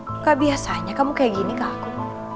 maka biasanya kamu kayak gini ke aku